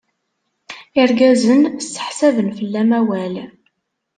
Irgazen seḥsaben fell-am awal.